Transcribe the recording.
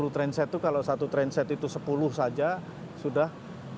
sepuluh train set itu kalau satu train set itu sepuluh saja sudah seratus